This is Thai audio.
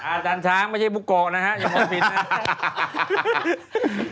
อาจารย์ช้างไม่ใช่บุโกะนะฮะอย่าบอกผิดนะ